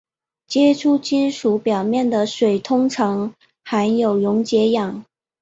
接触金属表面的水通常含有溶解氧。